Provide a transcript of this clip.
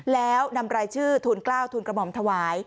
แล้วนำรายชื่อทูลกล้าวทูลกระหม่อมถวาย